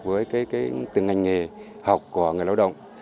với từng ngành nghề học của người lao động